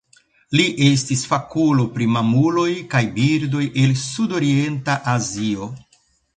Li estis fakulo pri mamuloj kaj birdoj el Sudorienta Azio.